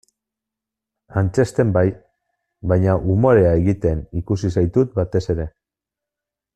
Antzezten bai, baina umorea egiten ikusi zaitut batez ere.